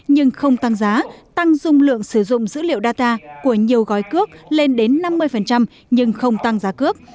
nhưng không tăng giá tăng dung lượng sử dụng dữ liệu data của nhiều gói cước lên đến năm mươi nhưng không tăng giá cước